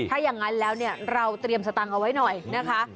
ถ้าอย่างนั้นแล้วเนี่ยเราเตรียมสตางค์เอาไว้หน่อยนะคะ